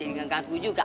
jadi dia ngeganggu juga